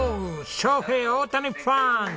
ショーヘイ・オオタニファン！